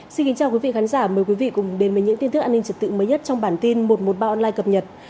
xin kính chào quý vị khán giả mời quý vị cùng đến với những tin tức an ninh trật tự mới nhất trong bản tin một trăm một mươi ba online cập nhật